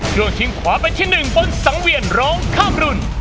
เพิ่งทิ้งขวาไปที่หนึ่งบนสังเวียนร้องข้ามรุ่น